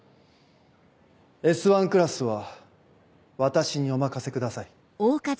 Ｓ１クラスは私にお任せください。